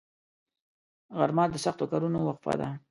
غرمه د سختو کارونو وقفه ده